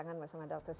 bagaimana anda merasa